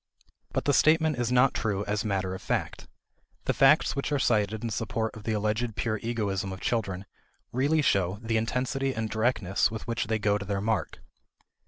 But the statement is not true as matter of fact. The facts which are cited in support of the alleged pure egoism of children really show the intensity and directness with which they go to their mark.